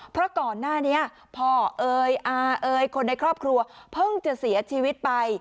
เพราะก่อนหน้านี้พ่อเอ่ยอาเอยคนในครอบครัวเพิ่งจะเสียชีวิตไป